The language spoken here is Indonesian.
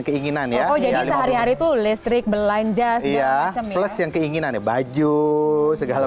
keinginan ya oh jadi sehari hari tuh listrik belanja plus yang keinginan ya baju segala